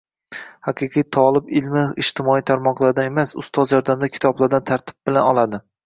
Haqiqiy tolib ilmni ijtimoiy tarmoqlardan emas, ustozlar yordamida kitobdan tartib bilan oladi.